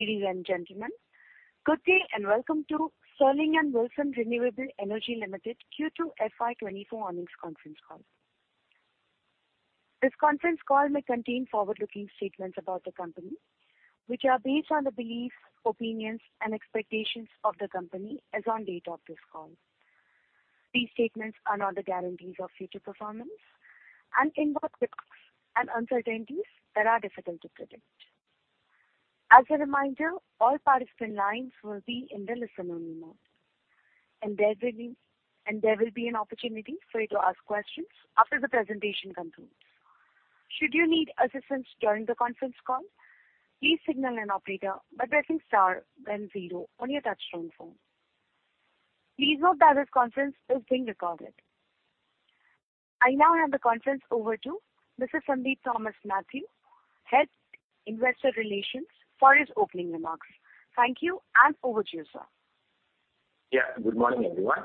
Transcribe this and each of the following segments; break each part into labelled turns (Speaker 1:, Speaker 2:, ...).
Speaker 1: Ladies and gentlemen, good day, and welcome to Sterling and Wilson Renewable Energy Limited Q2 FY24 earnings conference call. This conference call may contain forward-looking statements about the company, which are based on the beliefs, opinions, and expectations of the company as on date of this call. These statements are not the guarantees of future performance and involve risks and uncertainties that are difficult to predict. As a reminder, all participant lines will be in the listen-only mode, and there will be, and there will be an opportunity for you to ask questions after the presentation concludes. Should you need assistance during the conference call, please signal an operator by pressing star then zero on your touchtone phone. Please note that this conference is being recorded. I now hand the conference over to Mr. Sandeep Thomas Mathew, Head, Investor Relations, for his opening remarks. Thank you, and over to you, sir.
Speaker 2: Yeah, good morning, everyone,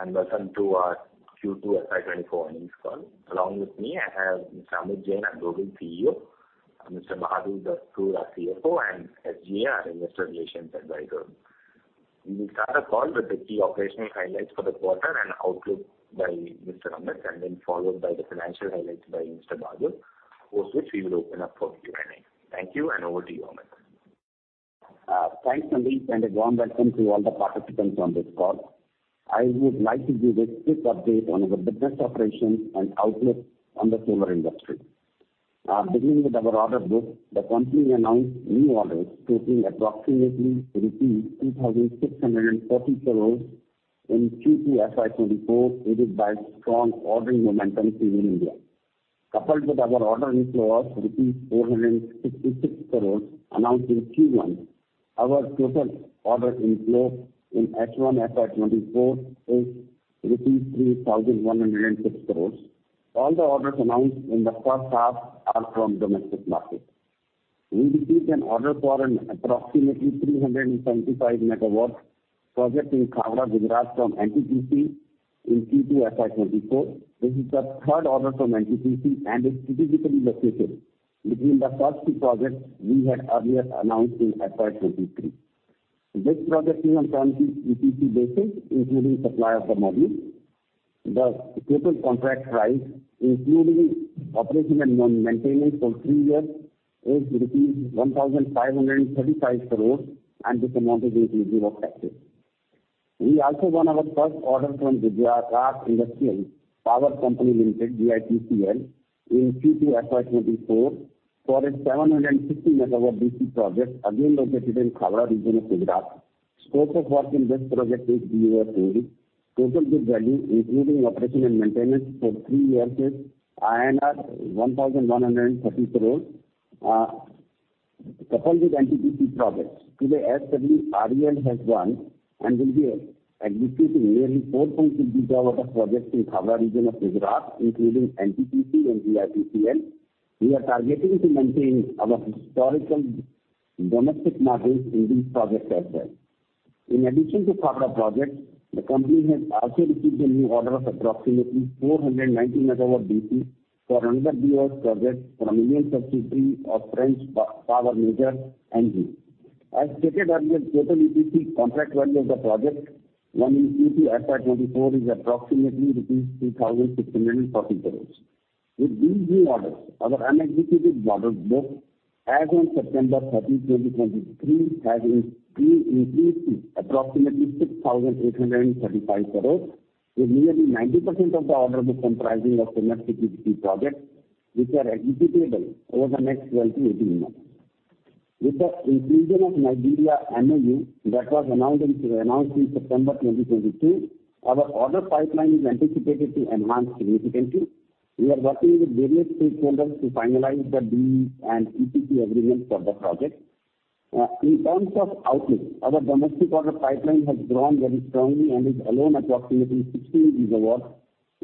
Speaker 2: and welcome to our Q2 FY 2024 earnings call. Along with me, I have Mr. Amit Jain, our Global CEO, Mr. Bahadur Dastoor, our CFO, and SGA, our Investor Relations Advisor. We will start the call with the key operational highlights for the quarter and outlook by Mr. Amit, and then followed by the financial highlights by Mr. Bahadur, post which we will open up for Q&A. Thank you, and over to you, Amit.
Speaker 3: Thanks, Sandeep, and a warm welcome to all the participants on this call. I would like to give a quick update on our business operations and outlook on the solar industry. Beginning with our order book, the company announced new orders totaling approximately rupees 2,640 crores in Q2 FY 2024, aided by strong ordering momentum in India. Coupled with our order inflow of 466 crores announced in Q1, our total order inflow in H1 FY 2024 is 3,106 crores. All the orders announced in the first half are from domestic market. We received an order for an approximately 375 megawatts project in Khavda, Gujarat from NTPC in Q2 FY 2024. This is the third order from NTPC and is strategically located between the first two projects we had earlier announced in FY 2023. This project is on turnkey EPC basis, including supply of the modules. The total contract price, including operation and maintenance for three years, is rupees 1,535 crore and this amount is inclusive of taxes. We also won our first order from Gujarat Industries Power Company Limited, GIPCL, in Q2 FY 2024 for a 750-megawatt DC project, again, located in Khavda region of Gujarat. Scope of work in this project is BOOT. Total book value, including operation and maintenance for three years, is INR 1,130 crore. Coupled with NTPC projects, today, SWRE has won and will be executing nearly 4.6 gigawatt of projects in Khavda region of Gujarat, including NTPC and GIPCL. We are targeting to maintain our historical domestic margins in these projects as well. In addition to Khavda project, the company has also received a new order of approximately 490 megawatt DC for another BOOT project from Indian subsidiary of French power major, ENGIE. As stated earlier, total EPC contract value of the project won in Q2 FY 2024 is approximately rupees 2,640 crores. With these new orders, our unexecuted order book as on September 13, 2023, has increased to approximately 6,835 crores, with nearly 90% of the order book comprising of domestic EPC projects, which are executable over the next 12-18 months. With the inclusion of Nigeria MOU that was announced in September 2022, our order pipeline is anticipated to enhance significantly. We are working with various stakeholders to finalize the DAs and EPC agreements for the project. In terms of outlook, our domestic order pipeline has grown very strongly and is alone approximately 16 gigawatts,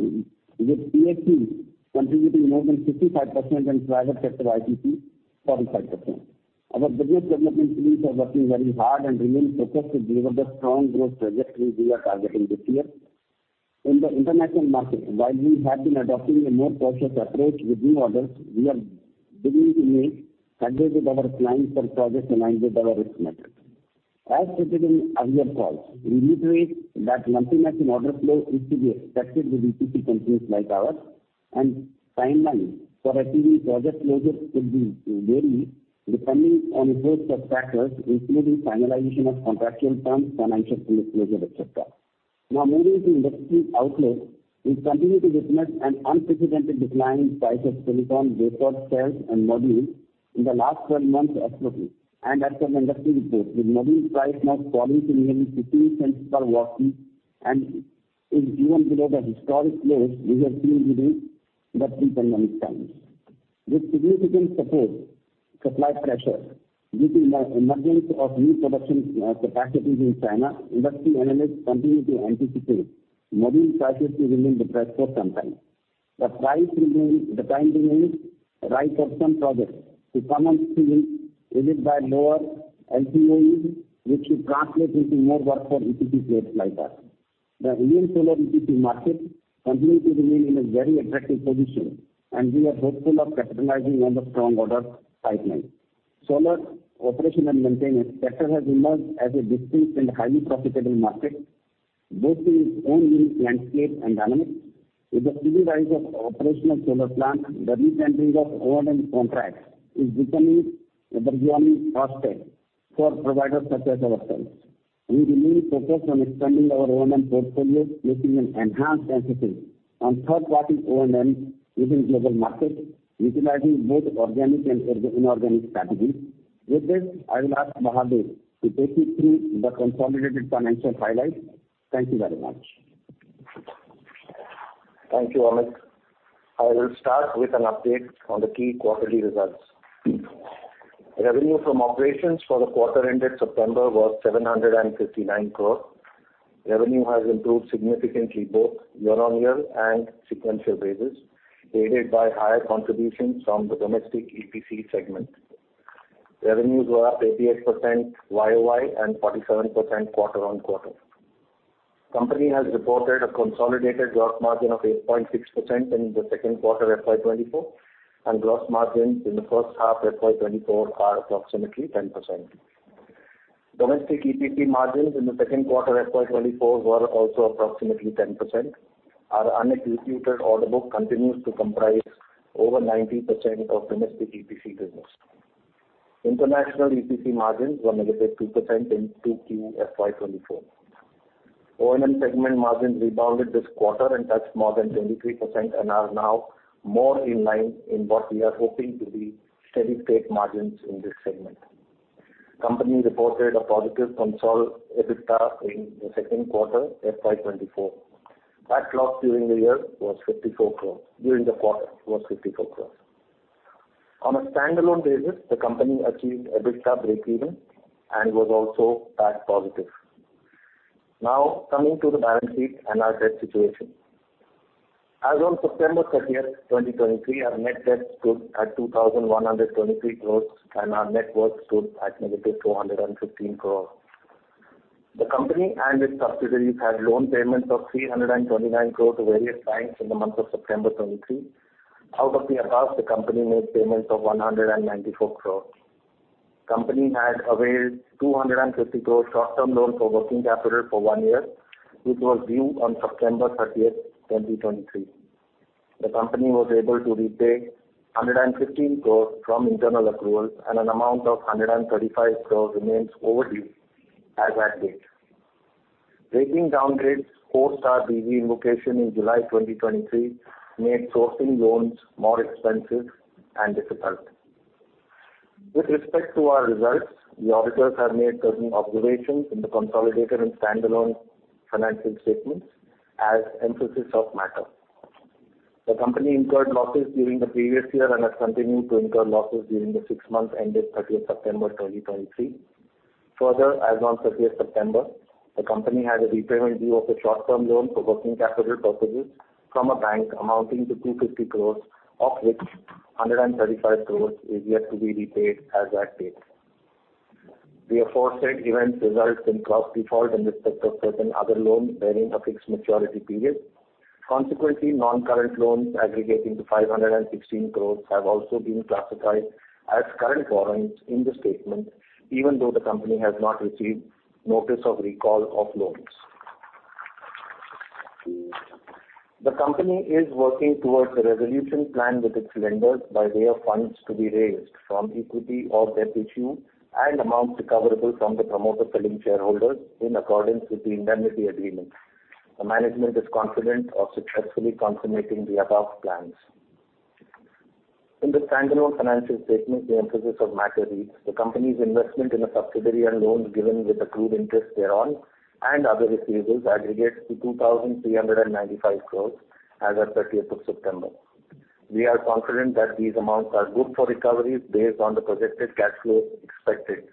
Speaker 3: with PSU contributing more than 55% and private sector IPP, 45%. Our business development teams are working very hard and remain focused to deliver the strong growth trajectory we are targeting this year. In the international market, while we have been adopting a more cautious approach with new orders, we are beginning to make progress with our clients on projects in line with our risk metrics. As stated in earlier calls, we reiterate that lumpiness in order flow is to be expected with EPC companies like ours, and timeline for achieving project closures could vary, depending on a host of factors, including finalization of contractual terms, financial closure, et cetera. Now, moving to industry outlook. We continue to witness an unprecedented decline in price of silicon, wafer, cells, and modules in the last 12 months approximately, and as per industry reports, with module price now falling to nearly $0.50 per watt, and is even below the historic lows we have seen during the pre-pandemic times. With significant support, supply pressures due to the emergence of new production capacities in China, industry analysts continue to anticipate module prices to remain depressed for some time. The time being ripe for some projects to come on stream, aided by lower LCOE, which should translate into more work for EPC players like us. The Indian solar EPC market continue to remain in a very attractive position, and we are hopeful of capitalizing on the strong order pipeline. Solar operation and maintenance sector has emerged as a distinct and highly profitable market, both in its own unique landscape and dynamics. With the steady rise of operational solar plants, the re-entry of O&M contracts is becoming a burgeoning aspect for providers such as ourselves. We remain focused on expanding our O&M portfolio, making an enhanced emphasis on third-party O&M within global markets, utilizing both organic and inorganic strategies. With this, I will ask Bahadur to take you through the consolidated financial highlights. Thank you very much.
Speaker 4: Thank you, Amit. I will start with an update on the key quarterly results. Revenue from operations for the quarter ended September was 759 crore. Revenue has improved significantly, both year-over-year and sequential basis, aided by higher contributions from the domestic EPC segment. Revenues were up 88% YOY and 47% quarter-over-quarter. Company has reported a consolidated gross margin of 8.6% in the second quarter FY24, and gross margins in the first half FY24 are approximately 10%. Domestic EPC margins in the second quarter FY24 were also approximately 10%. Our unexecuted order book continues to comprise over 90% of domestic EPC business. International EPC margins were -2% in 2Q FY24. O&M segment margins rebounded this quarter and touched more than 23%, and are now more in line in what we are hoping to be steady state margins in this segment. Company reported a positive consolidated EBITDA in the second quarter, FY 2024. That loss during the year was 54 crore, during the quarter, was 54 crore. On a standalone basis, the company achieved EBITDA breakeven and was also tax positive. Now, coming to the balance sheet and our debt situation. As on September 30, 2023, our net debt stood at 2,123 crore, and our net worth stood at negative 215 crore. The company and its subsidiaries had loan payments of 329 crore to various banks in the month of September 2023. Out of the above, the company made payments of 194 crore. Company had availed 250 crore short-term loan for working capital for one year, which was due on September 30, 2023. The company was able to repay 115 crore from internal accruals, and an amount of 135 crore remains overdue as at date. Rating downgrade, four-star BG invocation in July 2023, made sourcing loans more expensive and difficult. With respect to our results, the auditors have made certain observations in the consolidated and standalone financial statements as emphasis of matter. The company incurred losses during the previous year and has continued to incur losses during the six months ended September 30, 2023. Further, as on thirtieth September, the company has a repayment due of a short-term loan for working capital purposes from a bank amounting to 250 crores, of which 135 crores is yet to be repaid as at date. The aforesaid events result in cross default in respect of certain other loans bearing a fixed maturity period. Consequently, non-current loans aggregating to 516 crores have also been classified as current borrowings in the statement, even though the company has not received notice of recall of loans. The company is working towards a resolution plan with its lenders by way of funds to be raised from equity or debt issue, and amounts recoverable from the promoter selling shareholders in accordance with the indemnity agreement. The management is confident of successfully consummating the above plans. In the standalone financial statement, the emphasis of matter reads: The company's investment in a subsidiary and loans given with accrued interest thereon, and other receivables aggregate to 2,395 crores as at thirtieth of September. We are confident that these amounts are good for recovery based on the projected cash flow expected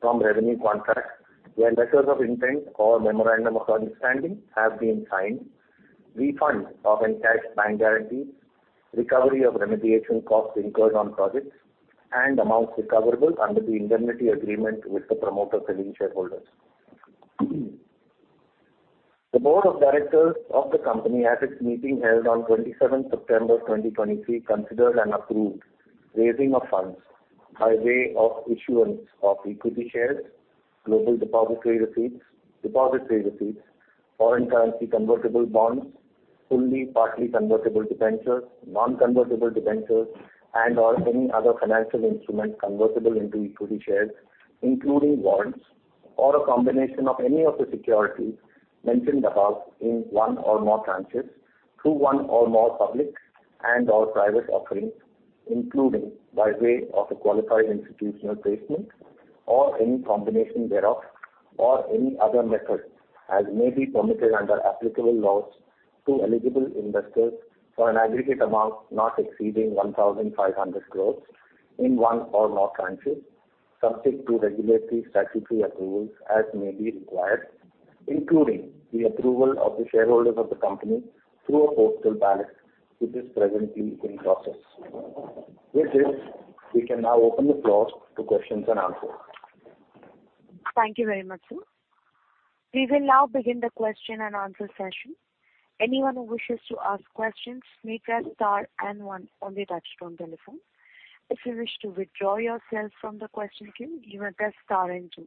Speaker 4: from revenue contracts, where letters of intent or memorandum of understanding have been signed, refunds of encashed bank guarantees, recovery of remediation costs incurred on projects, and amounts recoverable under the indemnity agreement with the promoter selling shareholders. The board of directors of the company, at its meeting held on 27th September 2023, considered and approved raising of funds by way of issuance of equity shares, global depository receipts, depository receipts, foreign currency convertible bonds, fully partly convertible debentures, non-convertible debentures, and/or any other financial instruments convertible into equity shares, including warrants or a combination of any of the securities mentioned above in one or more tranches, through one or more public and/or private offerings, including by way of a qualified institutional placement or any combination thereof, or any other method as may be permitted under applicable laws to eligible investors for an aggregate amount not exceeding 1,500 crore in one or more tranches, subject to regulatory statutory approvals as may be required, including the approval of the shareholders of the company through a postal ballot, which is presently in process. With this, we can now open the floor to questions and answers.
Speaker 1: ...Thank you very much, sir. We will now begin the question and answer session. Anyone who wishes to ask questions, may press star and one on the touchtone telephone. If you wish to withdraw yourself from the question queue, you may press star and two.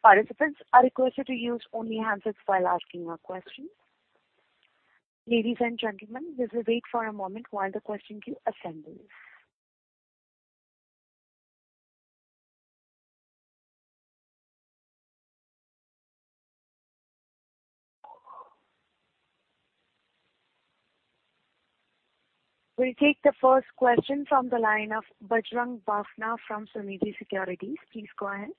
Speaker 1: Participants are requested to use only handsets while asking your questions. Ladies and gentlemen, let's wait for a moment while the question queue assembles. We'll take the first question from the line of Bajrang Bafna from Sunidhi Securities. Please go ahead.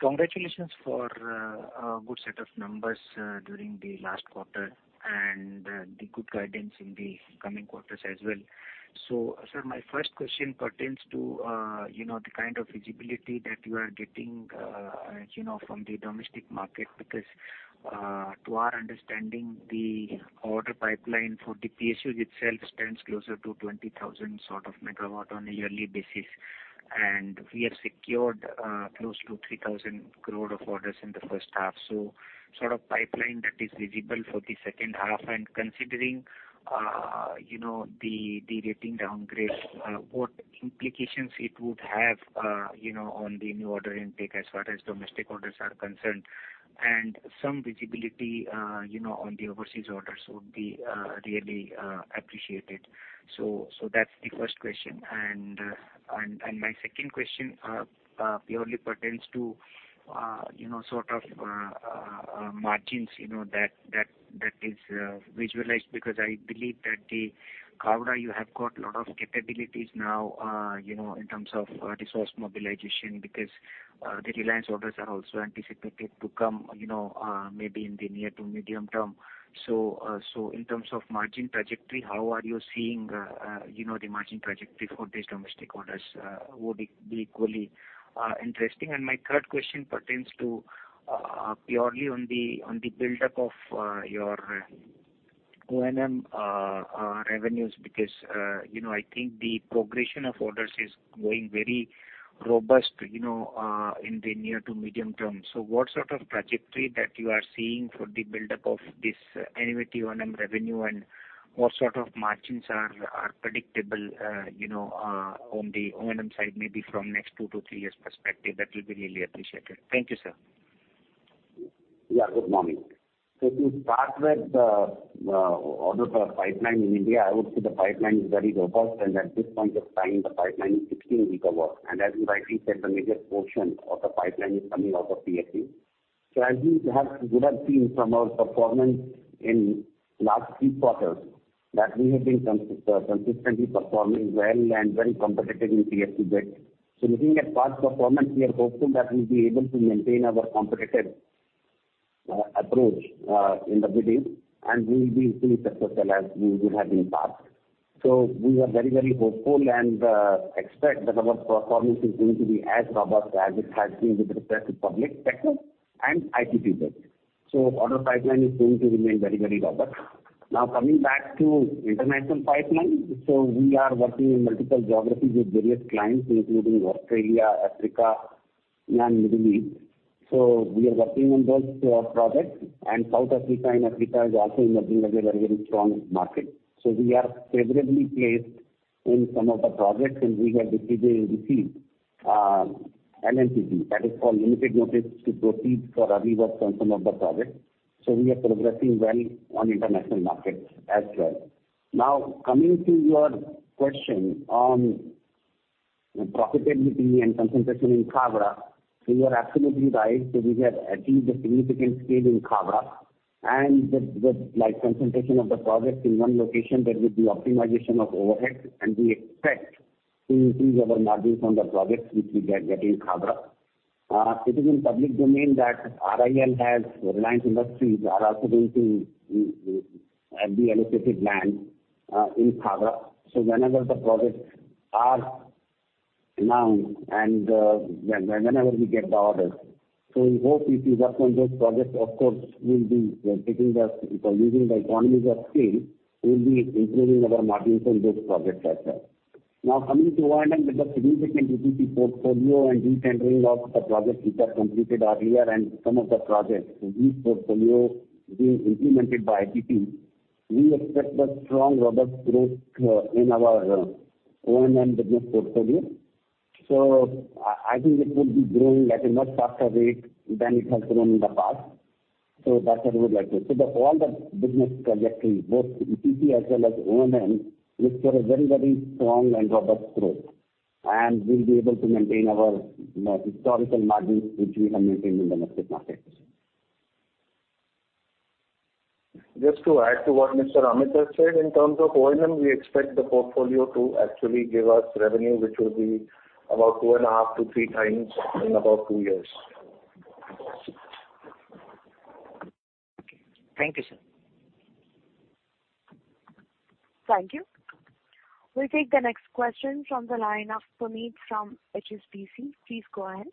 Speaker 5: Congratulations` for a good set of numbers during the last quarter, and the good guidance in the coming quarters as well. So sir, my first question pertains to you know, the kind of visibility that you are getting you know, from the domestic market. Because to our understanding, the order pipeline for the PSU itself stands closer to 20,000 sort of megawatt on a yearly basis, and we have secured close to 3,000 crore of orders in the first half. So sort of pipeline that is visible for the second half, and considering you know, the rating downgrade what implications it would have you know, on the new order intake as far as domestic orders are concerned. And some visibility you know, on the overseas orders would be really appreciated. So that's the first question. And my second question purely pertains to, you know, sort of, margins, you know, that is visualized. Because I believe that the Khavda you have got a lot of capabilities now, you know, in terms of, resource mobilization, because, the Reliance orders are also anticipated to come, you know, maybe in the near to medium term. So, so in terms of margin trajectory, how are you seeing, you know, the margin trajectory for these domestic orders, would be equally, interesting. And my third question pertains to, purely on the, on the buildup of, your O&M, revenues, because, you know, I think the progression of orders is going very robust, you know, in the near to medium term. So what sort of trajectory that you are seeing for the buildup of this annuity O&M revenue? And what sort of margins are predictable, you know, on the O&M side, maybe from next two to three years perspective? That will be really appreciated. Thank you, sir.
Speaker 3: Yeah, good morning. So to start with the order for pipeline in India, I would say the pipeline is very robust, and at this point of time, the pipeline is 16 gigawatts. And as you rightly said, the major portion of the pipeline is coming out of PSU. So as you would have seen from our performance in last three quarters, that we have been consistently performing well and very competitive in PSU bids. So looking at past performance, we are hopeful that we'll be able to maintain our competitive approach in the biddings, and we will be successful as we have been in the past. So we are very, very hopeful and expect that our performance is going to be as robust as it has been with respect to public sector and IPP bids. So order pipeline is going to remain very, very robust. Now coming back to international pipeline, so we are working in multiple geographies with various clients, including Australia, Africa, and Middle East. So we are working on those projects, and South Africa and Africa is also emerging as a very, very strong market. So we are favorably placed in some of the projects, and we have received LNTP. That is called Limited Notice to Proceed for our work on some of the projects. So we are progressing well on international markets as well. Now, coming to your question on the profitability and concentration in Khavda, so you are absolutely right. So we have achieved a significant scale in Khavda, and the like, concentration of the projects in one location, there will be optimization of overhead, and we expect to increase our margins on the projects which we get in Khavda. It is in public domain that RIL has, Reliance Industries, are also going to have the allocated land in Khavda. So whenever the projects are announced and whenever we get the orders, so we hope if we work on those projects, of course, we'll be taking the... Using the economies of scale, we'll be improving our margins on those projects as well. Now, coming to O&M, with a significant EPC portfolio and re-tendering of the projects which are completed earlier and some of the projects in the portfolio being implemented by IPP, we expect a strong, robust growth in our O&M business portfolio. So I think it would be growing at a much faster rate than it has grown in the past. So that's what we would like to... So all the business trajectories, both EPC as well as O&M, are for a very, very strong and robust growth. And we'll be able to maintain our, you know, historical margins, which we have maintained in the markets.
Speaker 4: Just to add to what Mr. Amit has said, in terms of O&M, we expect the portfolio to actually give us revenue, which will be about 2.5-3 times in about two years.
Speaker 5: Thank you, sir.
Speaker 1: Thank you. We'll take the next question from the line of Sumit from HSBC. Please go ahead....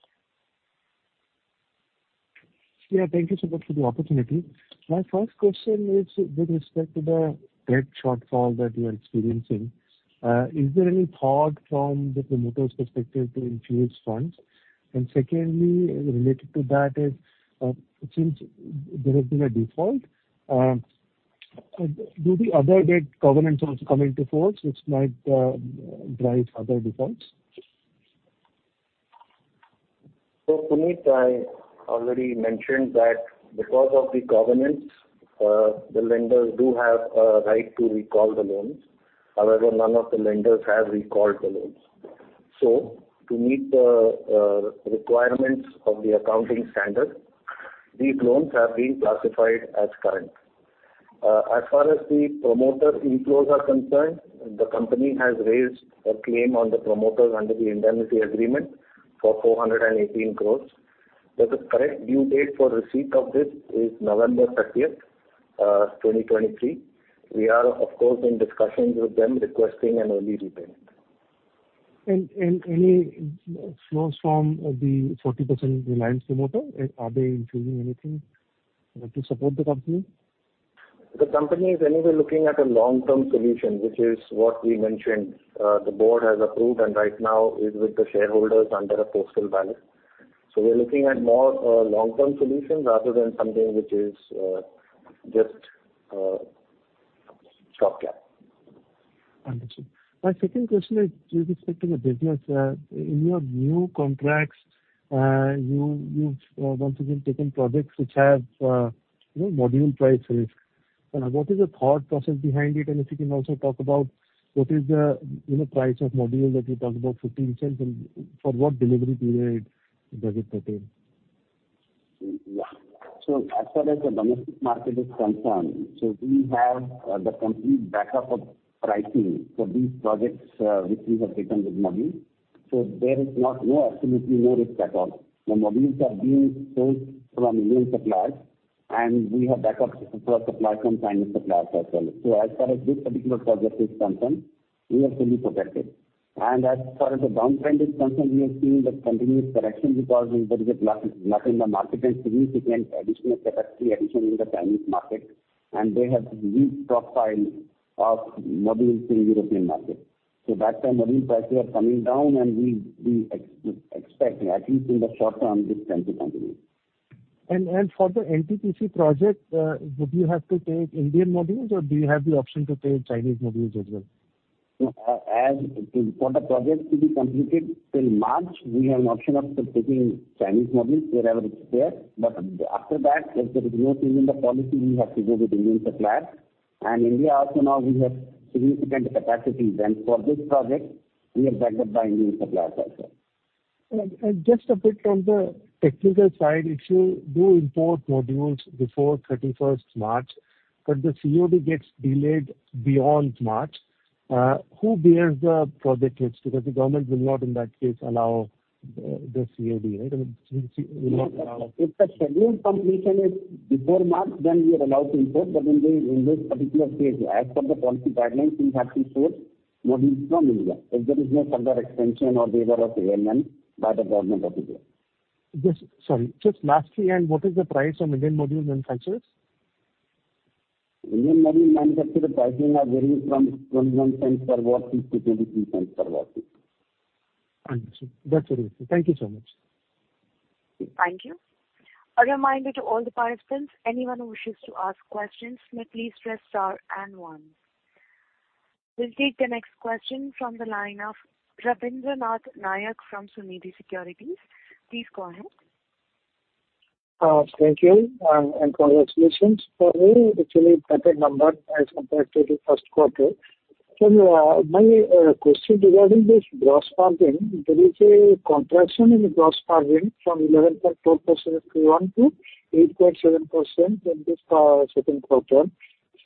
Speaker 6: Yeah, thank you so much for the opportunity. My first question is with respect to the debt shortfall that you are experiencing. Is there any thought from the promoter's perspective to infuse funds? And secondly, related to that is, since there has been a default, do the other debt covenants also come into force, which might drive other defaults?
Speaker 3: So Sumit, I already mentioned that because of the covenants, the lenders do have a right to recall the loans. However, none of the lenders have recalled the loans. So to meet the requirements of the accounting standard, these loans have been classified as current. As far as the promoter inflows are concerned, the company has raised a claim on the promoter under the indemnity agreement for 418 crore. But the correct due date for receipt of this is November 30, 2023. We are, of course, in discussions with them, requesting an early repayment.
Speaker 7: And any flows from the 40% Reliance promoter, are they infusing anything to support the company?
Speaker 3: The company is anyway looking at a long-term solution, which is what we mentioned. The board has approved, and right now is with the shareholders under a postal ballot. So we're looking at more long-term solution rather than something which is just short term.
Speaker 7: Understood. My second question is with respect to the business. In your new contracts, you, you've once again taken projects which have, you know, module price risk. What is the thought process behind it? And if you can also talk about what is the, you know, price of module that you talked about $0.15, and for what delivery period does it pertain?
Speaker 3: Yeah. So as far as the domestic market is concerned, so we have the complete backup of pricing for these projects, which we have taken with modules. So there is no, absolutely no risk at all. The modules are being sourced from Indian suppliers, and we have backup for supply from Chinese suppliers as well. So as far as this particular project is concerned, we are fully protected. And as far as the downtrend is concerned, we are seeing the continuous correction because there is a glut in the market and significant additional capacity addition in the Chinese market, and they have weak profile of modules in European market. So that's why module prices are coming down, and we expect, at least in the short term, this trend to continue.
Speaker 8: For the NTPC project, would you have to take Indian modules, or do you have the option to take Chinese modules as well?
Speaker 3: No, for the project to be completed till March, we have an option of taking Chinese modules wherever it's there. But after that, if there is no change in the policy, we have to go with Indian suppliers. And India also now we have significant capacities, and for this project, we are backed up by Indian suppliers also.
Speaker 8: Just a bit on the technical side, if you do import modules before thirty-first March, but the COD gets delayed beyond March, who bears the project risk? Because the government will not, in that case, allow the COD, right? I mean, we see-
Speaker 3: If the scheduled completion is before March, then we are allowed to import. But in this particular case, as per the policy guidelines, we have to source modules from India. If there is no further extension or waiver of amendment by the Government of India.
Speaker 8: Just—sorry. Just lastly, and what is the price of Indian module manufacturers?
Speaker 3: Indian module manufacturer pricing are varying from $0.21-$0.23 per watt.
Speaker 8: Understood. That's what it is. Thank you so much.
Speaker 1: Thank you. A reminder to all the participants, anyone who wishes to ask questions, may please press star and one. We'll take the next question from the line of Rabindranath Nayak from Sunidhi Securities. Please go ahead.
Speaker 9: Thank you, and, and congratulations for the actually better number as compared to the first quarter. So, my question regarding this gross margin, there is a contraction in the gross margin from 11.4% Q1 to 8.7% in this second quarter.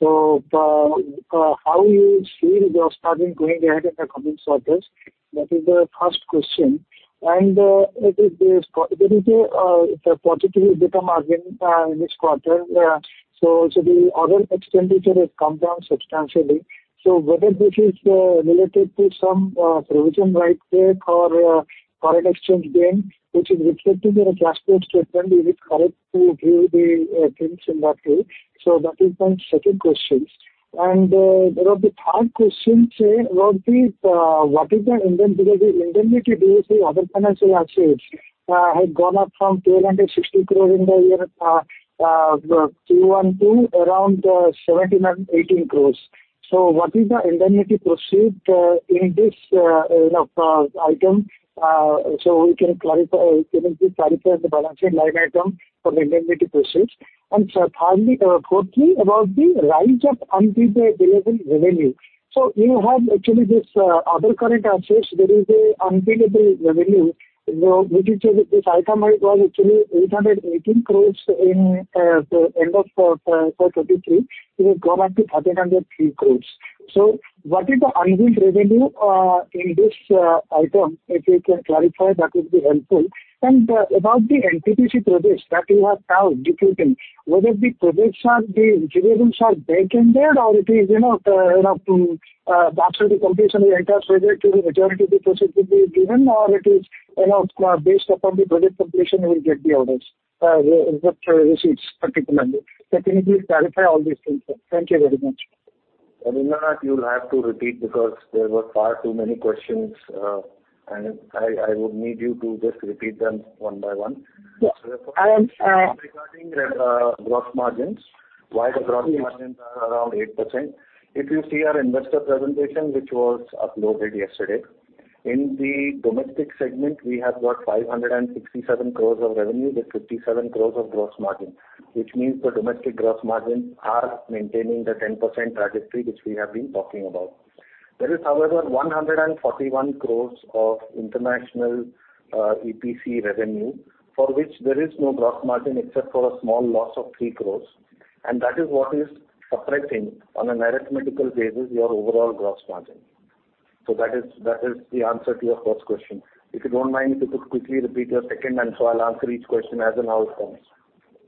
Speaker 9: So, how you see the gross margin going ahead in the coming quarters? That is the first question. And, if there is a positive EBITDA margin in this quarter, so the other expenditure has come down substantially. So whether this is related to some provision write back or foreign exchange gain, which is reflected in the cash flow statement, is it correct to view the things in that way? So that is my second question. The third question, say, about the, what is the indemnity? The indemnity we see other financial assets, had gone up from 1,260 crore in the year 2022, around 1,718 crore. So what is the indemnity proceeds in this, you know, item? So we can clarify, can you please clarify the balance sheet line item for the indemnity proceeds? And thirdly, fourthly, about the rise of unbilled available revenue. So you have actually this, other current assets, there is a unbilled revenue, you know, which is, this item was actually 818 crore in the end of 2023. It has gone up to 1,303 crore. So what is the unbilled revenue in this, item? If you can clarify, that would be helpful. And, about the NTPC projects that you have now completed, whether the projects are, the receivables are back ended or it is, you know, you know, after the completion of the entire project, will the majority of the projects will be given, or it is, you know, based upon the project completion, you will get the orders, receipts particularly. So can you please clarify all these things? Thank you very much....
Speaker 4: I mean, you'll have to repeat because there were far too many questions, and I, I would need you to just repeat them one by one.
Speaker 9: Yeah, I am.
Speaker 4: Regarding the gross margins, why the gross margins are around 8%? If you see our investor presentation, which was uploaded yesterday, in the domestic segment, we have got 567 crore of revenue with 57 crore of gross margin, which means the domestic gross margins are maintaining the 10% trajectory which we have been talking about. There is, however, 141 crore of international EPC revenue, for which there is no gross margin except for a small loss of 3 crore, and that is what is suppressing, on a mathematical basis, your overall gross margin. So that is, that is the answer to your first question. If you don't mind, if you could quickly repeat your second, and so I'll answer each question as and how it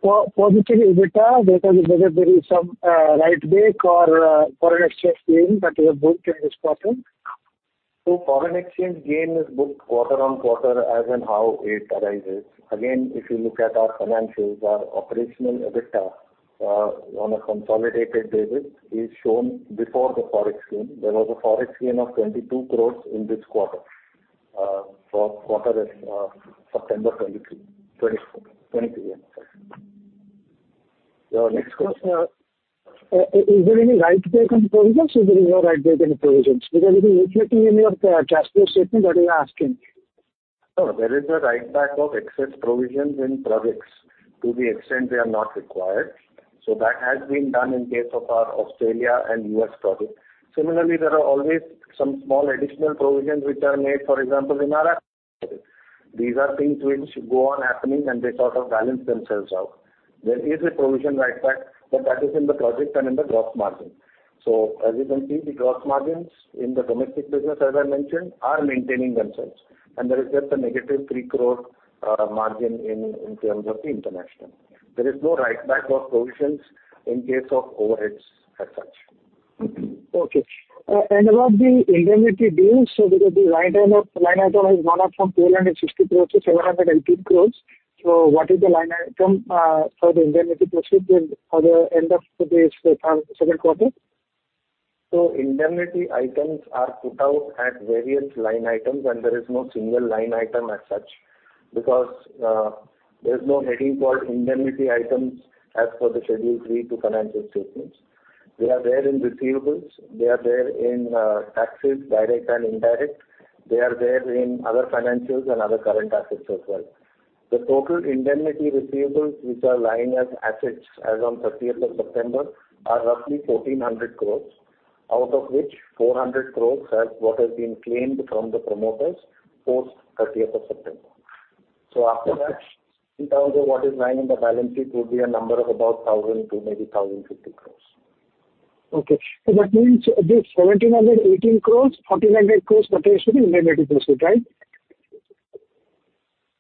Speaker 4: comes.
Speaker 9: For positive EBITDA, whether there is some write back or foreign exchange gain that is booked in this quarter?
Speaker 4: So foreign exchange gain is booked quarter on quarter as and how it arises. Again, if you look at our financials, our operational EBITDA, on a consolidated basis, is shown before the Forex gain. There was a Forex gain of 22 crore in this quarter, for quarter, September 2023, 2024, 2023, yeah.
Speaker 9: Your next question, is there any write back in provisions or there is no write back in provisions? Because it is reflecting in your cash flow statement that you are asking.
Speaker 4: No, there is a write back of excess provisions in projects to the extent they are not required. So that has been done in case of our Australia and U.S. projects. Similarly, there are always some small additional provisions which are made, for example, in our... These are things which go on happening, and they sort of balance themselves out. There is a provision write back, but that is in the project and in the gross margin. So as you can see, the gross margins in the domestic business, as I mentioned, are maintaining themselves, and there is just a -3 crore margin in, in terms of the international. There is no write back of provisions in case of overheads as such.
Speaker 9: Okay. And about the indemnity dues, so because the line item, line item has gone up from 1,260 crores to 718 crores. So what is the line item for the indemnity procedure for the end of this third quarter?
Speaker 4: Indemnity items are put out at various line items, and there is no single line item as such, because there's no heading called indemnity items as per the Schedule 3 to financial statements. They are there in receivables, they are there in taxes, direct and indirect. They are there in other financials and other current assets as well. The total indemnity receivables, which are lying as assets as on 30th of September, are roughly 1,400 crore, out of which 400 crore has what has been claimed from the promoters post 30th of September. So after that, in terms of what is lying in the balance sheet, would be a number of about 1,000-1,050 crore.
Speaker 9: Okay. So that means this 1,718 crore, 1,400 crore potential indemnity proceeds, right?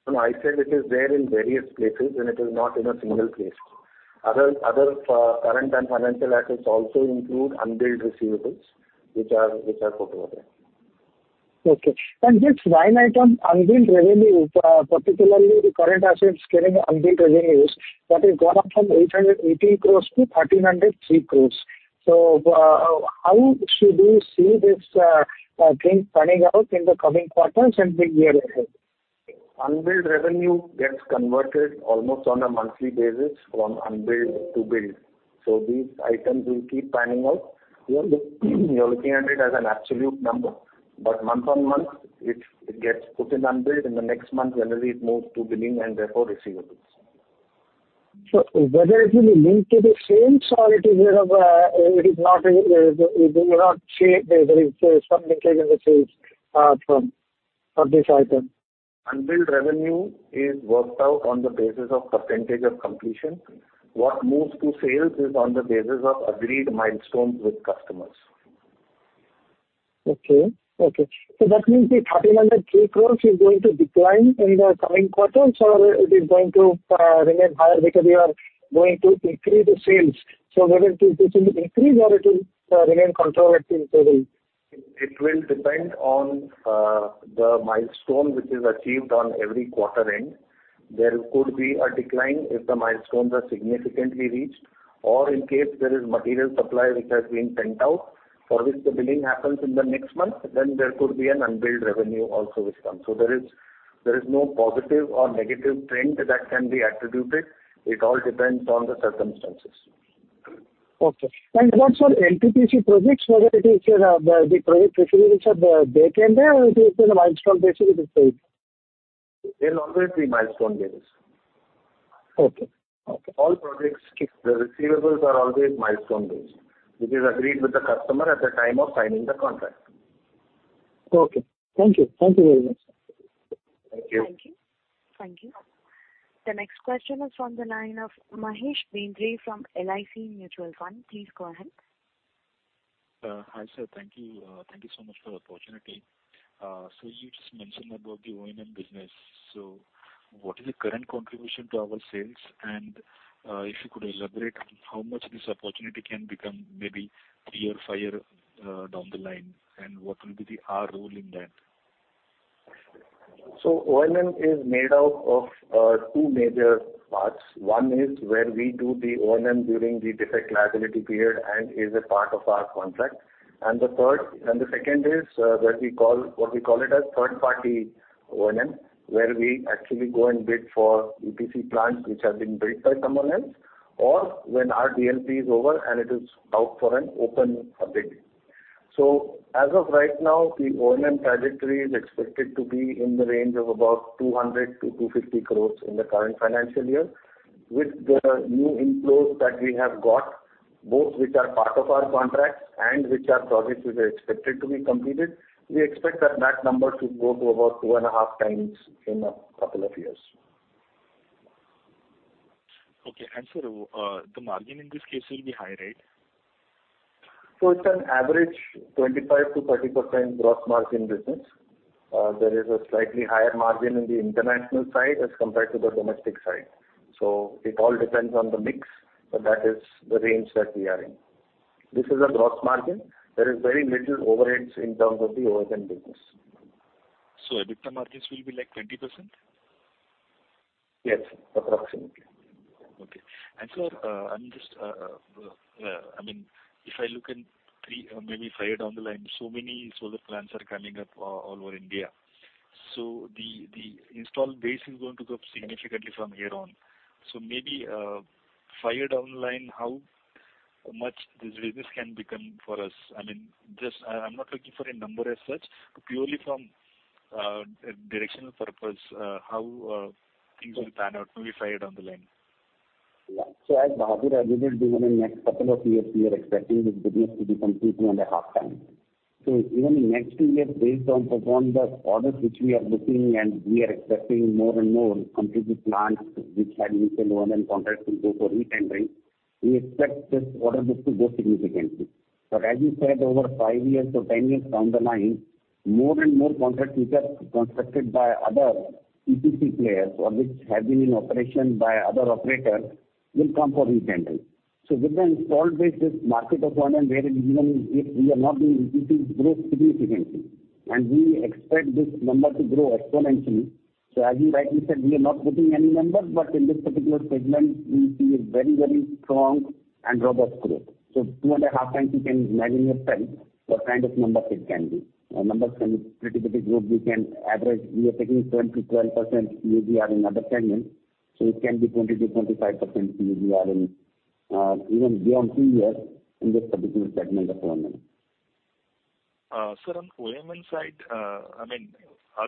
Speaker 4: No, I said it is there in various places, and it is not in a single place. Other current and financial assets also include unbilled receivables, which are put over there.
Speaker 9: Okay. And this line item, unbilled revenue, particularly the current assets carrying unbilled revenues, that has gone up from 880 crore to 1,303 crore. So, how should we see this thing panning out in the coming quarters and the year ahead?
Speaker 4: Unbilled revenue gets converted almost on a monthly basis from unbilled to billed. So these items will keep panning out. You are looking at it as an absolute number, but month-on-month, it gets put in unbilled, and the next month, generally it moves to billing and therefore receivables.
Speaker 9: Whether it will be linked to the sales or it is, it is not, it will not change. There is some linkage in the sales, from of this item.
Speaker 4: Unbilled revenue is worked out on the basis of percentage of completion. What moves to sales is on the basis of agreed milestones with customers.
Speaker 9: Okay. Okay. So that means the 1,303 crore is going to decline in the coming quarters, or it is going to remain higher because you are going to increase the sales. So whether it will increase or it will remain controlled within the sales?
Speaker 4: It will depend on the milestone which is achieved on every quarter end. There could be a decline if the milestones are significantly reached, or in case there is material supply which has been sent out, for which the billing happens in the next month, then there could be an unbilled revenue also which comes. So there is no positive or negative trend that can be attributed. It all depends on the circumstances.
Speaker 9: Okay. What's your NTPC projects, whether it is the project receivables are there, or it is in a milestone basis, it is paid?
Speaker 4: It will always be milestone basis.
Speaker 9: Okay. Okay.
Speaker 4: All projects, the receivables are always milestone based, which is agreed with the customer at the time of signing the contract.
Speaker 9: Okay. Thank you. Thank you very much.
Speaker 4: Thank you.
Speaker 1: Thank you. Thank you. The next question is from the line of Mahesh Bendre from LIC Mutual Fund. Please go ahead.
Speaker 10: Hi, sir. Thank you. Thank you so much for the opportunity. So you just mentioned about the O&M business. So what is the current contribution to our sales? And if you could elaborate, how much this opportunity can become, maybe three or five years down the line, and what will be our role in that?...
Speaker 4: So O&M is made out of two major parts. One is where we do the O&M during the defect liability period and is a part of our contract. And the third, and the second is what we call, what we call it as third party O&M, where we actually go and bid for EPC plants, which have been built by someone else, or when our DLP is over and it is out for an open update. So as of right now, the O&M trajectory is expected to be in the range of about 200-250 crore in the current financial year. With the new inflows that we have got, both which are part of our contracts and which are projects which are expected to be completed, we expect that, that number to go to about 2.5 times in a couple of years.
Speaker 10: Okay. Sir, the margin in this case will be high, right?
Speaker 4: So it's an average 25%-30% gross margin business. There is a slightly higher margin in the international side as compared to the domestic side. So it all depends on the mix, but that is the range that we are in. This is a gross margin. There is very little overheads in terms of the O&M business.
Speaker 10: So EBITDA margins will be like 20%?
Speaker 4: Yes, approximately.
Speaker 10: Okay. And sir, I'm just, I mean, if I look in three or maybe five down the line, so many solar plants are coming up, all over India. So the installed base is going to go up significantly from here on. So maybe, five down the line, how much this business can become for us? I mean, just—I, I'm not looking for a number as such, purely from, directional purpose, how things will pan out maybe five down the line.
Speaker 3: Yeah. So as Bahadur alluded to, in the next couple of years, we are expecting this business to be completely on the half time. So even in next two years, based on the orders which we are looking and we are expecting more and more completed plants which had initial O&M contracts will go for re-tendering, we expect this order book to grow significantly. But as you said, over five years or 10 years down the line, more and more contracts which are constructed by other EPC players or which have been in operation by other operators, will come for re-tendering. So with the installed base, this market of O&M, where even if we are not doing EPC, grow significantly, and we expect this number to grow exponentially. So as you rightly said, we are not putting any numbers, but in this particular segment, we see a very, very strong and robust growth. So 2.5 times, you can imagine yourself what kind of numbers it can be. Our numbers can pretty, pretty good. We can average... We are taking 10%-12% CAGR in other segments, so it can be 20%-25% CAGR in even beyond two years in this particular segment of O&M.
Speaker 10: Sir, on O&M side, I mean, I mean,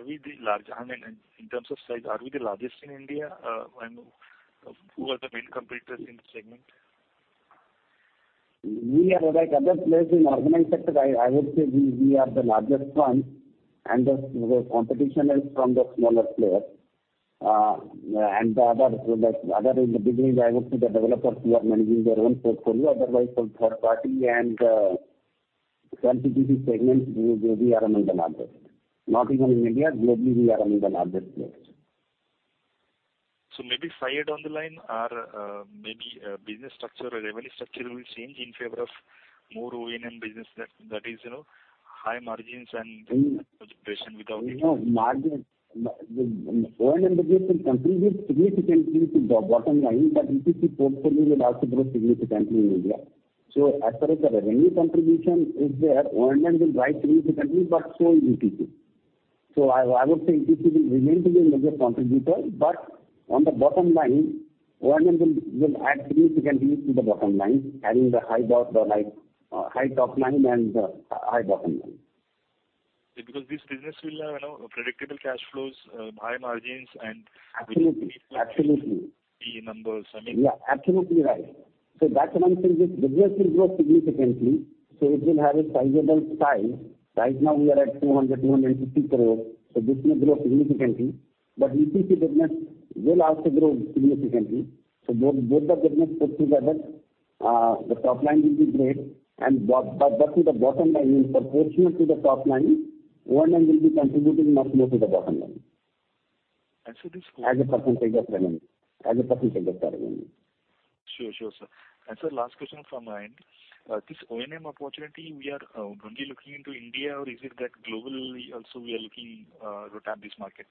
Speaker 10: in terms of size, are we the largest in India? And who are the main competitors in this segment?
Speaker 3: We are, like other players in organized sector, I would say we are the largest one, and the competition is from the smaller players. And the other, in the degree, I would say the developers who are managing their own portfolio, otherwise from third party and, competitive segments, we are among the largest. Not even in India, globally, we are among the largest players.
Speaker 10: So maybe five down the line, our maybe business structure or revenue structure will change in favor of more O&M business that, that is, you know, high margins and without any-
Speaker 3: No margin. The O&M business will contribute significantly to the bottom line, but EPC portfolio will also grow significantly in India. So as far as the revenue contribution is there, O&M will rise significantly, but so will EPC. So I, I would say EPC will remain to be a major contributor, but on the bottom line, O&M will, will add significantly to the bottom line, having the high bottom, or like, high top line and, high bottom line.
Speaker 10: Because this business will have, you know, predictable cash flows, high margins, and-
Speaker 3: Absolutely. Absolutely.
Speaker 10: Key numbers, I mean.
Speaker 3: Yeah, absolutely right. So that's one thing, this business will grow significantly, so it will have a sizable size. Right now, we are at 200-250 crore, so this may grow significantly, but EPC business will also grow significantly. So both, both the business put together, the top line will be great, and but to the bottom line, in proportion to the top line, O&M will be contributing much more to the bottom line.
Speaker 10: I see.
Speaker 3: As a percentage of revenue, as a percentage of the revenue.
Speaker 10: Sure, sure, sir. And sir, last question from my end. This O&M opportunity, we are only looking into India, or is it that globally also we are looking to tap this market?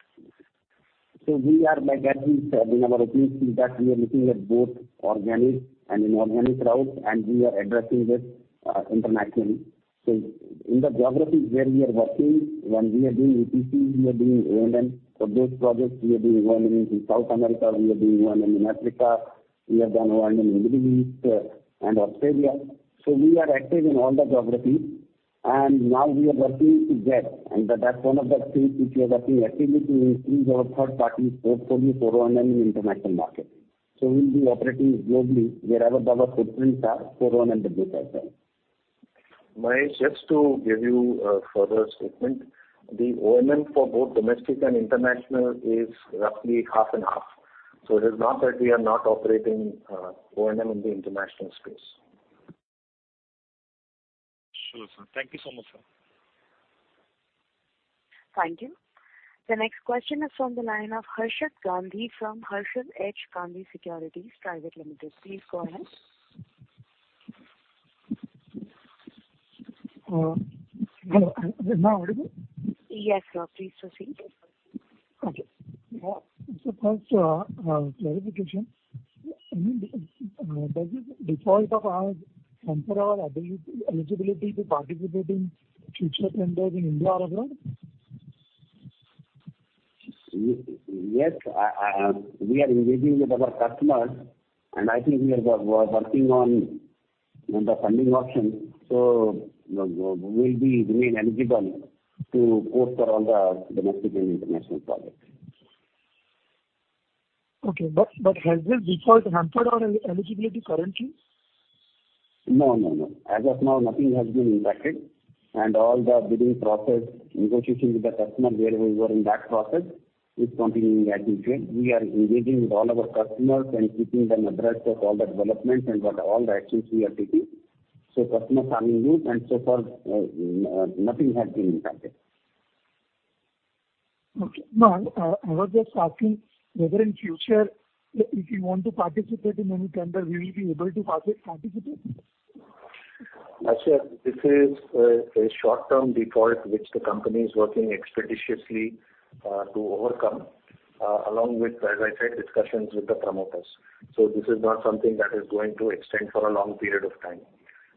Speaker 3: So we are, like, as we said in our earnings, is that we are looking at both organic and inorganic routes, and we are addressing this internationally. So in the geographies where we are working, when we are doing EPC, we are doing O&M. So those projects, we are doing O&M in South America, we are doing O&M in Africa, we have done O&M in Middle East and Australia. So we are active in all the geographies, and now we are working to get, and that's one of the things which we are working actively, to increase our third party portfolio for O&M in the international market. So we'll be operating globally wherever our footprints are for O&M business as well.
Speaker 4: Mahesh, just to give you a further statement, the O&M for both domestic and international is roughly half and half. So it is not that we are not operating, O&M in the international space.
Speaker 10: Sure, sir. Thank you so much, sir.
Speaker 1: Thank you. The next question is from the line of Harshad Gandhi from Harshad H. Gandhi Securities Private Limited. Please go ahead....
Speaker 11: Hello, am I audible?
Speaker 1: Yes, sir, please proceed.
Speaker 11: Okay. First, clarification. I mean, does this default of ours hamper our eligibility to participate in future tenders in India or abroad?
Speaker 3: Yes, we are engaging with our customers, and I think we are working on the funding options, so we'll be remain eligible to quote for all the domestic and international projects.
Speaker 11: Okay. But has this default hampered our eligibility currently?
Speaker 3: No, no, no. As of now, nothing has been impacted, and all the bidding process, negotiations with the customer where we were in that process, is continuing as usual. We are engaging with all our customers and keeping them abreast of all the developments and what all the actions we are taking. So customers are in loop, and so far, nothing has been impacted.
Speaker 11: Okay. No, I was just asking whether in future, if you want to participate in any tender, we will be able to participate?
Speaker 4: Harshad, this is a, a short-term default, which the company is working expeditiously to overcome, along with, as I said, discussions with the promoters so this is not something that is going to extend for a long period of time.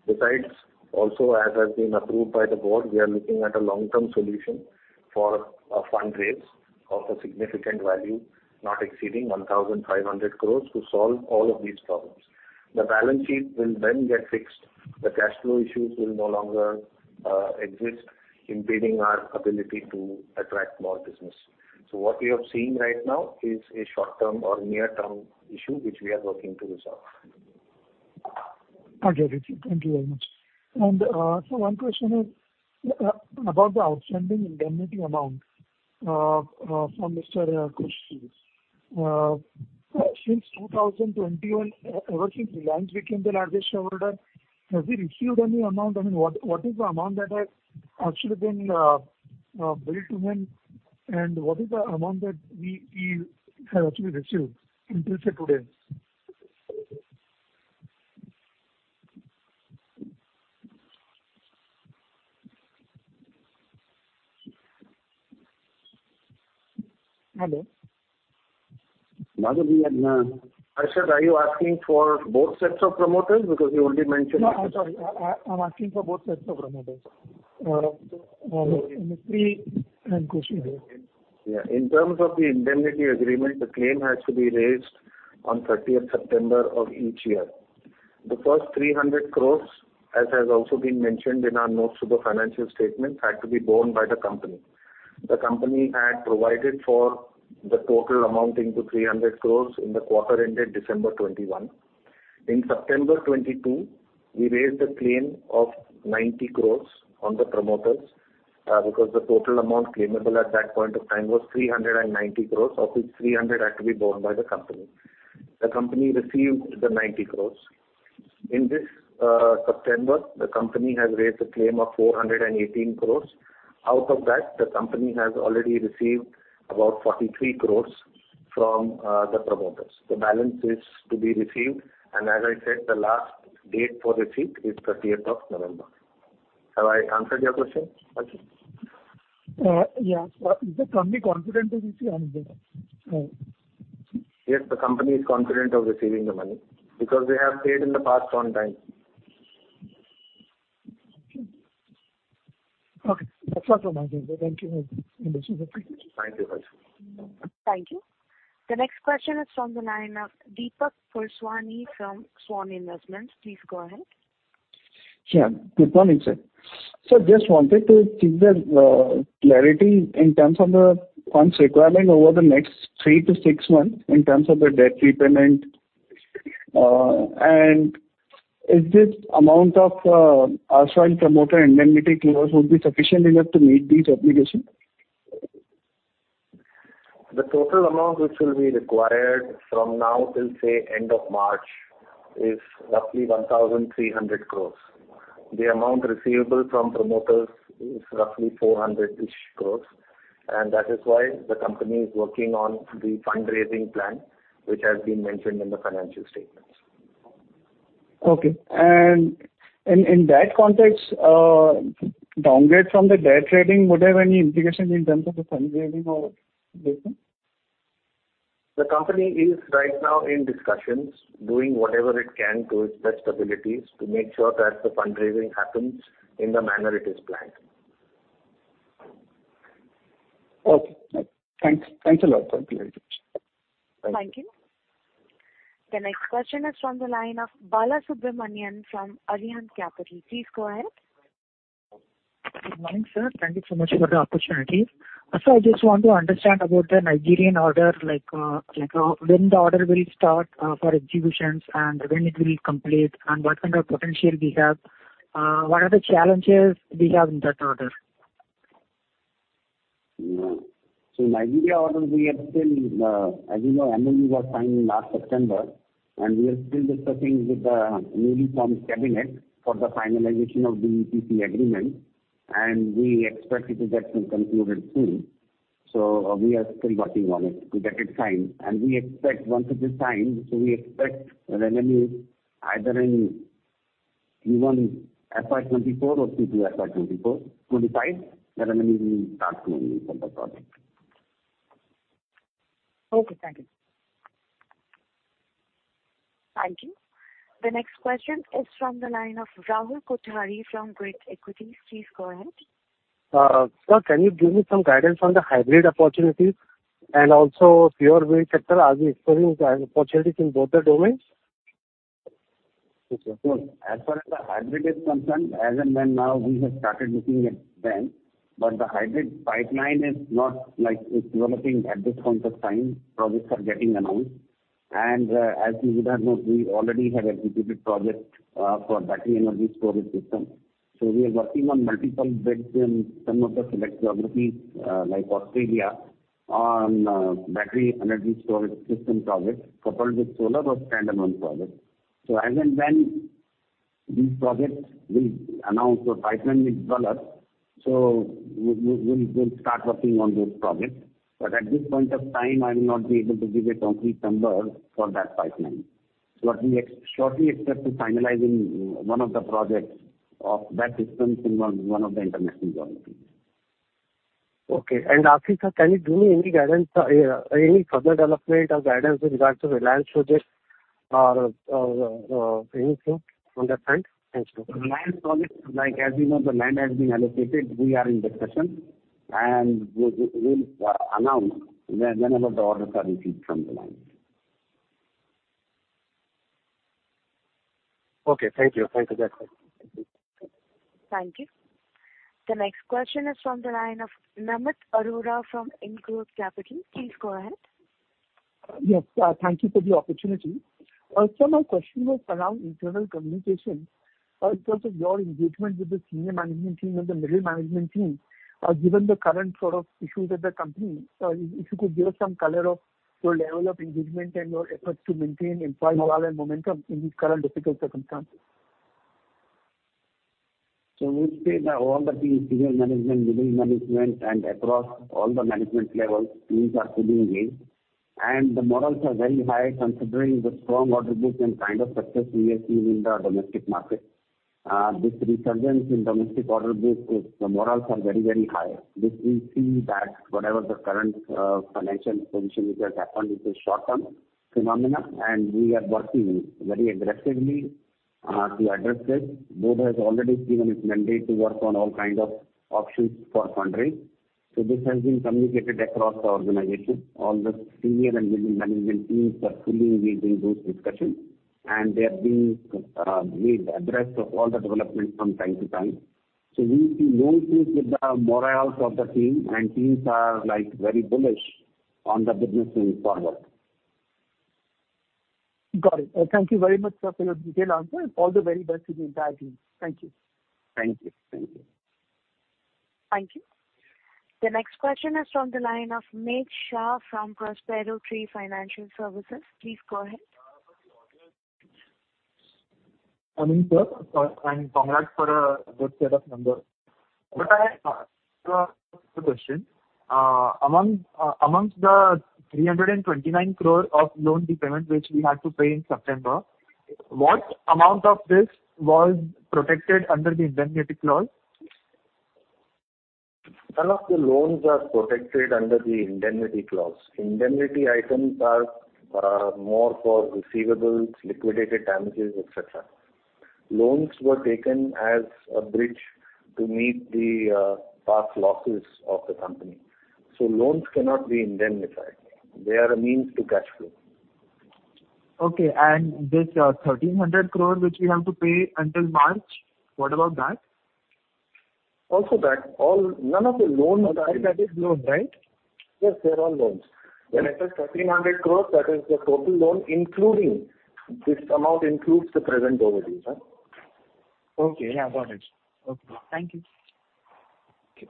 Speaker 4: Besides, also, as has been approved by the board, we are looking at a long-term solution for a fund raise of a significant value, not exceeding 1,500 crores, to solve all of these problems. The balance sheet will then get fixed. The cash flow issues will no longer exist, impeding our ability to attract more business. So what we have seen right now is a short-term or near-term issue, which we are working to resolve.
Speaker 11: Okay, thank you very much. So one question is, about the outstanding indemnity amount, from Mr. Khurshed's. Since 2021, ever since Reliance became the largest shareholder, have we received any amount? I mean, what is the amount that has actually been billed to him, and what is the amount that we have actually received until today? Hello?
Speaker 3: Madhu, we have.
Speaker 4: Harshad, are you asking for both sets of promoters? Because you only mentioned-
Speaker 11: No, I'm sorry. I'm asking for both sets of promoters, Nifty and Khurshed.
Speaker 4: Yeah. In terms of the indemnity agreement, the claim has to be raised on 30th September of each year. The first 300 crore, as has also been mentioned in our notes to the financial statements, had to be borne by the company. The company had provided for the total amount into 300 crore in the quarter ended December 2021. In September 2022, we raised a claim of 90 crore on the promoters, because the total amount claimable at that point of time was 390 crore, of which 300 crore had to be borne by the company. The company received the 90 crore. In this September, the company has raised a claim of 418 crore. Out of that, the company has already received about 43 crore from the promoters. The balance is to be received, and as I said, the last date for receipt is thirtieth of November. Have I answered your question, Harshad?
Speaker 11: Yeah. Is the company confident to receive the amount?
Speaker 4: Yes, the company is confident of receiving the money, because they have paid in the past on time.
Speaker 11: Okay. That's all from my end. Thank you very much.
Speaker 4: Thank you, Harshad.
Speaker 1: Thank you. The next question is from the line of Deepak Fursawani from Swan Investments. Please go ahead.
Speaker 12: Yeah. Good morning, sir. Just wanted to seek the clarity in terms of the funds requirement over the next three-six months, in terms of the debt repayment and is this amount of RIL and promoter indemnity clause would be sufficient enough to meet these obligations?
Speaker 4: The total amount which will be required from now till, say, end of March, is roughly 1,300 crores. The amount receivable from promoters is roughly 400-ish crores, and that is why the company is working on the fundraising plan, which has been mentioned in the financial statements.
Speaker 12: Okay. In that context, downgrade from the debt trading, would have any implications in terms of the fundraising or this thing?
Speaker 4: The company is right now in discussions, doing whatever it can to its best abilities, to make sure that the fundraising happens in the manner it is planned.
Speaker 12: Okay. Thanks. Thanks a lot. Thank you very much.
Speaker 1: Thank you. The next question is from the line of Bala Subramanian from Arihant Capital. Please go ahead.
Speaker 13: Good morning, sir. Thank you so much for the opportunity so I just want to understand about the Nigerian order, like, like, when the order will start for executions and when it will complete, and what kind of potential we have, what are the challenges we have in that order?
Speaker 3: So Nigeria order, we are still. As you know, MOU was signed last September, and we are still discussing with the memo from cabinet for the finalization of the EPC agreement, and we expect it to get concluded soon so we are still working on it to get it signed, and we expect once it is signed, so we expect the revenue either in Q1 FY 2024 or Q2 FY 2024, 2025, the revenue will start coming in from the project.
Speaker 13: Okay, thank you.
Speaker 1: Thank you. The next question is from the line of Rahul Kothari from Grit Equities. Please go ahead.
Speaker 14: Sir, can you give me some guidance on the hybrid opportunities and also pure wind sector? Are we exploring the opportunities in both the domains?
Speaker 3: Okay. As far as the hybrid is concerned, as and when now we have started looking at them, but the hybrid pipeline is not like it's developing at this point of time, projects are getting announced and, as you would have known, we already have executed projects for battery energy storage system so we are working on multiple bids in some of the select geographies, like Australia, on battery energy storage system projects coupled with solar or standalone projects so as and when these projects will announce or pipeline will develop, so we'll start working on those projects. But at this point of time, I will not be able to give a concrete number for that pipeline. But we expect shortly to finalize one of the projects of that system in one of the international geographies.
Speaker 14: Okay. Also, sir, can you give me any guidance, any further development or guidance with regards to Reliance project or any flow on that front? Thank you.
Speaker 3: Reliance project, like, as you know, the land has been allocated. We are in discussion, and we'll announce whenever the orders are received from the land.
Speaker 14: Okay, thank you. Thanks for that.
Speaker 1: Thank you. The next question is from the line of Namit Arora from IndGrowth Capital. Please go ahead.
Speaker 15: Yes, thank you for the opportunity. My question was around internal communication, in terms of your engagement with the senior management team and the middle management team, given the current sort of issues at the company, if you could give us some color of your level of engagement and your efforts to maintain employee morale and momentum in this current difficult circumstance.
Speaker 3: We see that all the teams, senior management, middle management, and across all the management levels, teams are fully engaged. The morale is very high, considering the strong order book and kind of success we are seeing in the domestic market. This resurgence in domestic order book is the morale is very, very high, which we see that whatever the current financial position which has happened, it's a short-term phenomenon, and we are working very aggressively to address this. Board has already given its mandate to work on all kinds of options for fundraising. This has been communicated across the organization. All the senior and middle management teams are fully engaged in those discussions, and they are being made addressed of all the developments from time to time. We see no issues with the morale of the team, and teams are, like, very bullish on the business going forward.
Speaker 11: Got it. Thank you very much, sir, for your detailed answer. All the very best to the entire team. Thank you.
Speaker 3: Thank you. Thank you.
Speaker 1: Thank you. The next question is from the line of Maulik Shah from Prospero Tree Financial Services. Please go ahead.
Speaker 16: I mean, sir, and congrats for a good set of numbers. But I, two questions. Amongst the 329 crore of loan repayment, which we had to pay in September, what amount of this was protected under the indemnity clause?
Speaker 3: None of the loans are protected under the indemnity clause. Indemnity items are more for receivables, liquidated damages, et cetera. Loans were taken as a bridge to meet the past losses of the company. So loans cannot be indemnified. They are a means to cash flow.
Speaker 16: Okay, and this 1,300 crore, which we have to pay until March, what about that?
Speaker 3: Also, that none of the loans are.
Speaker 16: That is loan, right?
Speaker 3: Yes, they're all loans. When I said 1,300 crore, that is the total loan, including this amount includes the present overdue, sir.
Speaker 16: Okay, I got it. Okay, thank you.
Speaker 3: Okay.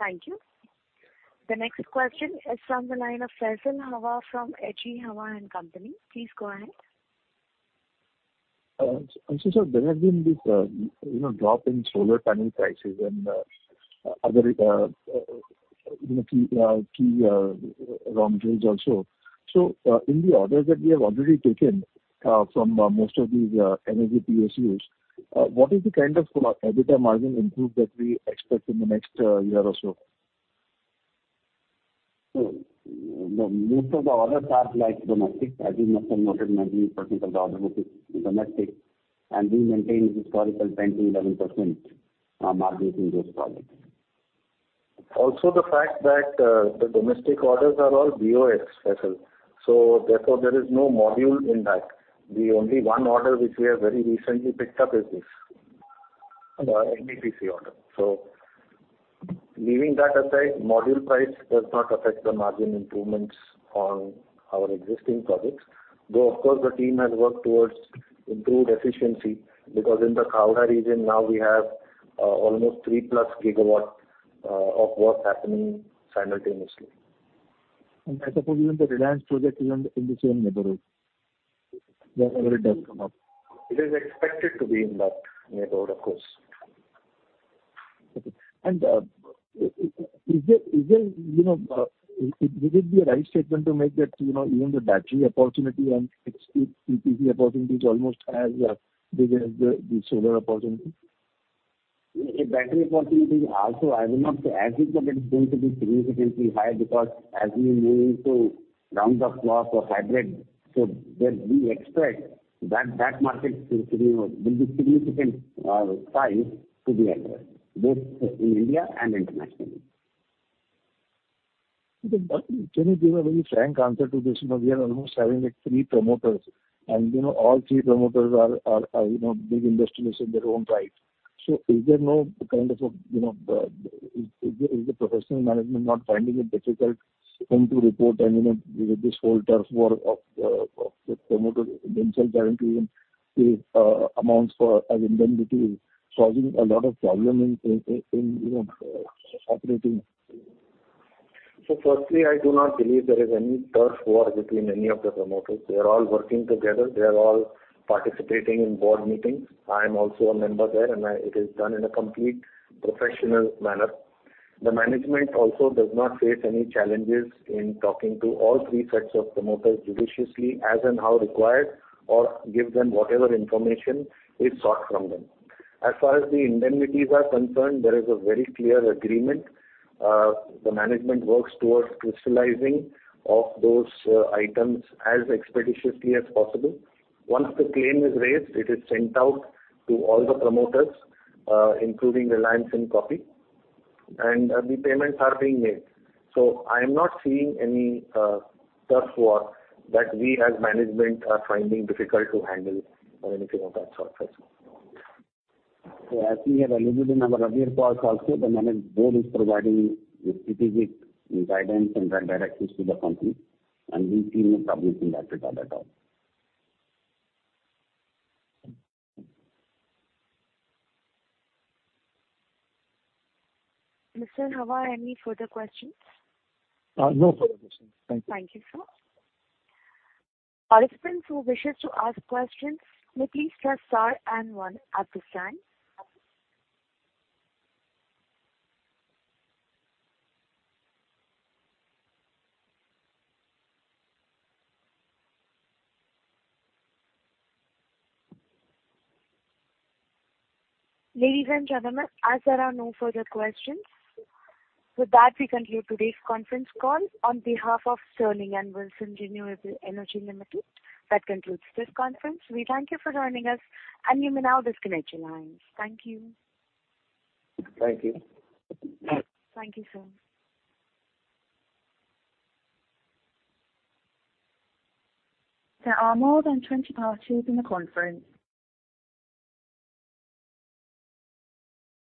Speaker 1: Thank you. The next question is from the line of Faisal Hawa from H.G. Hawa and Company. Please go ahead.
Speaker 8: Sir, there has been this, you know, drop in solar panel prices and other, you know, key key raw materials also, so, in the orders that we have already taken from most of these energy PSUs, what is the kind of EBITDA margin improvement that we expect in the next year or so?
Speaker 3: So the most of the orders are like domestic, as you must have noted, 90% of the order book is domestic, and we maintain historical 10%-11% margins in those projects. Also, the fact that the domestic orders are all BOS, Faisal, so therefore, there is no module in that. The only one order which we have very recently picked up is this NTPC order. So leaving that aside, module price does not affect the margin improvements on our existing projects, though, of course, the team has worked towards improved efficiency, because in the Khavda region now we have almost 3+ GWp of work happening simultaneously.
Speaker 8: I suppose even the Reliance project is in the same neighborhood? Whenever it does come up.
Speaker 4: It is expected to be in that neighborhood, of course.
Speaker 8: Okay. Is it, is it, you know, would it be a right statement to make that, you know, even the battery opportunity and its EPC opportunity is almost as big as the, the solar opportunity?
Speaker 4: A battery opportunity is also, I will not say as if it is going to be significantly high, because as we move into round-the-clock or hybrid, so there we expect that, that market to, you know, will be significant size to the address, both in India and internationally.
Speaker 8: But can you give a very frank answer to this? You know, we are almost having, like, three promoters, and, you know, all three promoters are, you know, big industrialists in their own right, so is there no kind of a, you know, is the professional management not finding it difficult whom to report? You know, this whole turf war of the promoters themselves trying to even pay amounts as indemnities, causing a lot of problem in, you know, operating?
Speaker 4: Firstly, I do not believe there is any turf war between any of the promoters. They are all working together. They are all participating in board meetings. I am also a member there, and it is done in a complete professional manner. The management also does not face any challenges in talking to all three sets of promoters judiciously, as and how required, or give them whatever information is sought from them. As far as the indemnities are concerned, there is a very clear agreement. The management works towards crystallizing of those items as expeditiously as possible. Once the claim is raised, it is sent out to all the promoters, including Reliance and SP, and the payments are being made, so I am not seeing any turf war that we, as management, are finding difficult to handle or anything of that sort, personally.
Speaker 8: As we have alluded in our earlier calls also, the management board is providing strategic guidance and then directives to the company, and we seem to welcome that at all.
Speaker 1: Mr. Hawa, any further questions?
Speaker 8: No further questions. Thank you.
Speaker 1: Thank you, sir. Participants who wish to ask questions may please press star and one at this time. Ladies and gentlemen, as there are no further questions, with that, we conclude today's conference call on behalf of Sterling and Wilson Renewable Energy Limited. That concludes this conference. We thank you for joining us, and you may now disconnect your lines. Thank you.
Speaker 4: Thank you.
Speaker 1: Thank you, sir. There are more than 20 parties in the conference.